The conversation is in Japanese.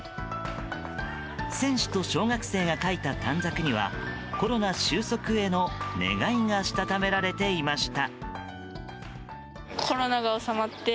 選手と小学生が書いた短冊にはコロナ収束への願いがしたためられていました。